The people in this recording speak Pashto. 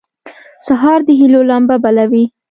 سهار د هيلو لمبه بلوي.